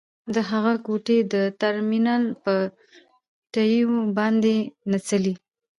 د هغه ګوتې د ټرمینل په تڼیو باندې نڅولې